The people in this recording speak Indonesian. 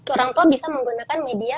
orang tua bisa menggunakan media